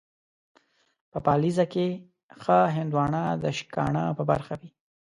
په پاليزه کې ښه هندوانه ، د شکاڼه په برخه وي.